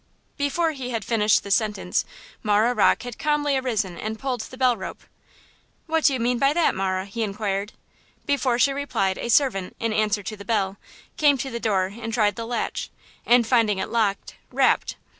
Before he had finished this sentence Marah Rocke had calmly arisen and pulled the bell rope. "What mean you by that, Marah?" he inquired. Before she replied a servant, in answer to the bell, came to the door and tried the latch, and, finding it locked, rapped.